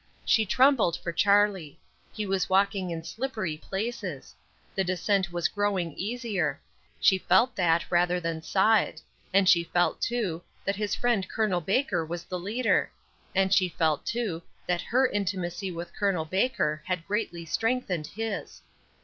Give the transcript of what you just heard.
She trembled for Charlie; he was walking in slippery places; the descent was growing easier; she felt that rather than saw it; and, she felt, too, that his friend Col. Baker was the leader; and she felt, too, that her intimacy with Col. Baker had greatly strengthened his.